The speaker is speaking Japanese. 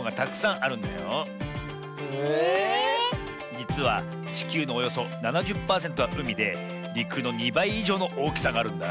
じつはちきゅうのおよそ７０パーセントはうみでりくの２ばいいじょうのおおきさがあるんだ。